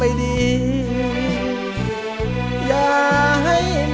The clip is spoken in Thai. ไม่ใช้ครับไม่ใช้ครับ